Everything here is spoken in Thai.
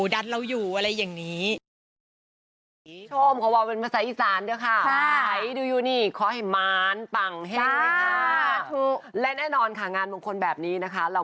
ดันเราอยู่อะไรอย่างนี้